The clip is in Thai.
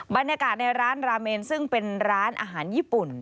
บรรยากาศในร้านราเมนซึ่งเป็นร้านอาหารญี่ปุ่น